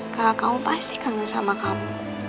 kakak kamu pasti kangen sama kamu